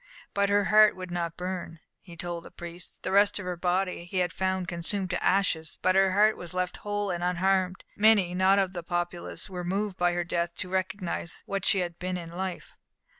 But her heart would not burn, he told the priest; the rest of her body he had found consumed to ashes, but her heart was left whole and unharmed. Many, not of the populace, were moved by her death to recognise what she had been in life.